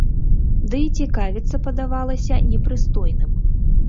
Ды і цікавіцца падавалася непрыстойным.